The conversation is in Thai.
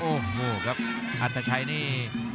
โอ้โหครับอัตชัยนี่